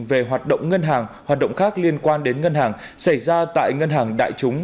về hoạt động ngân hàng hoạt động khác liên quan đến ngân hàng xảy ra tại ngân hàng đại chúng